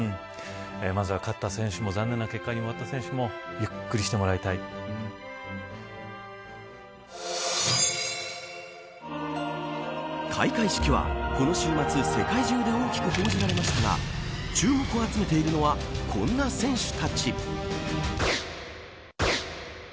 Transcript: まずは勝った選手も残念な結果に終わった選手も開会式は、この週末世界中で大きく報じられましたが注目を集めているのはこんな選手たち。